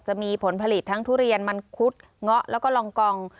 จะมีผลผลิตทั้งทุเรียนมันคุดเงาะแล้วก็ลองกอง